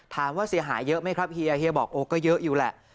ถามว่าเสียหายเยอะไหมครับเฮียเฮียบอกโอ้ก็เยอะอยู่แหละ